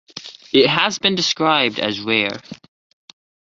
It has been described as rare.